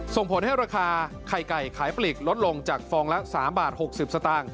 ส่งผลให้ราคาไข่ไก่ขายปลีกลดลงจากฟองละ๓บาท๖๐สตางค์